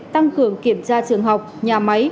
tăng cường kiểm tra trường học nhà máy